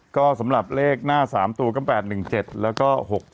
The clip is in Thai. ก็สำหรับเลขหน้า๓ตัวก็๘๑๗แล้วก็๖๗